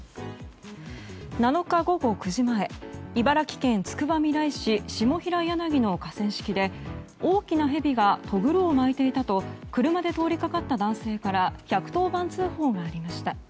７日午後９時前茨城県つくばみらい市下平柳の河川敷で、大きなヘビがとぐろを巻いていたと車で通りかかった男性から１１０番通報がありました。